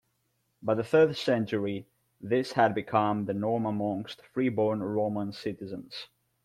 By the third century, this had become the norm amongst freeborn Roman citizens.